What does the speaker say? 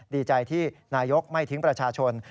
ดีใจที่นายกไม่ทิ้งประชาชน